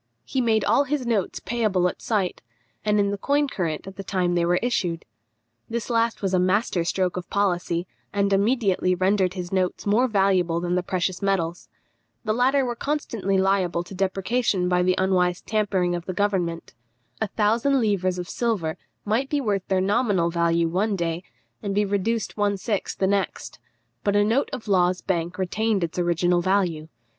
He made all his notes payable at sight, and in the coin current at the time they were issued. This last was a master stroke of policy, and immediately rendered his notes more valuable than the precious metals. The latter were constantly liable to depreciation by the unwise tampering of the government. A thousand livres of silver might be worth their nominal value one day, and be reduced one sixth the next, but a note of Law's bank retained its original value.